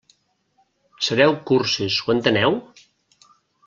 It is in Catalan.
Sereu cursis, ho enteneu?